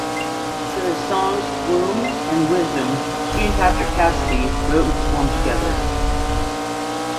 For the songs "Womb" and "Wisdom", she and Patrick Cassidy wrote and performed together.